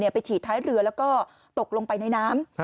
ฉีดท้ายเรือแล้วก็ตกลงไปในน้ำ